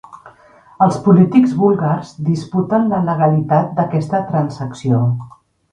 Els polítics búlgars disputen la legalitat d'aquesta transacció.